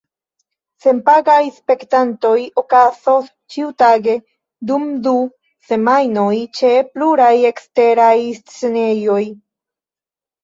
Senpagaj spektakloj okazos ĉiutage dum du semajnoj ĉe pluraj eksteraj scenejoj.